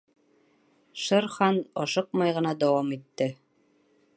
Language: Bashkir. — Шер Хан ашыҡмай ғына дауам итте.